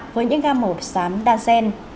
với những ga màu xám đa xen